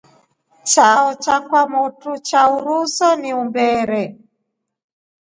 Chao cha kwamotu cha uruuso ni umberere.